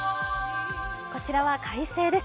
こちらは快晴です。